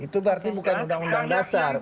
itu berarti bukan undang undang dasar